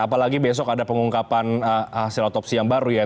apalagi besok ada pengungkapan hasil otopsi yang baru ya